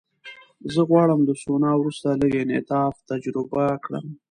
زه غواړم له سونا وروسته لږ انعطاف تجربه کړم.